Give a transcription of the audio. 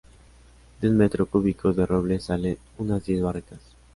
De un metro cúbico de roble salen unas diez barricas.